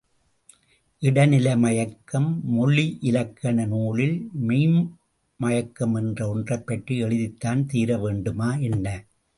இடைநிலை மயக்கம் மொழியிலக்கண நூலில், மெய்ம்மயக்கம் என்ற ஒன்றைப்பற்றி எழுதித்தான் தீர வேண்டுமா என்ன?